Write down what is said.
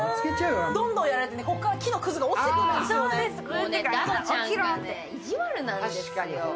ドンドンやられてここから木のくずが落ちてくるんですよ。